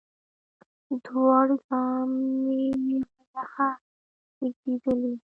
دواړي زامي یې له یخه رېږدېدلې